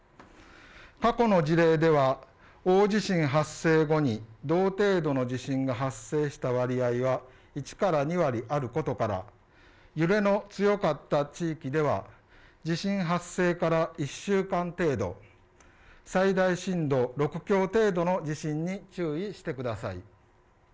過去の事例では大地震発生後に同程度の地震が発生した割合が１から２割あることから揺れの強かった地域では地震発生から１週間程度、最大震度６強程度の地震に注意してください。